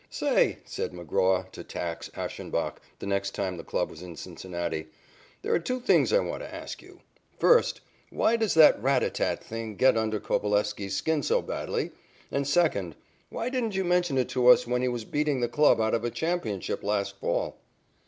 "Say," said McGraw to "Tacks" Ashenbach the next time the club was in Cincinnati, "there are two things I want to ask you. First, why does that 'rat a tat tat' thing get under Coveleski's skin so badly, and, second, why didn't you mention it to us when he was beating the club out of a championship last fall?"